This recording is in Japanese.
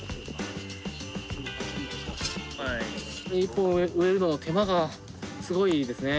１本植えるの手間がすごいですね。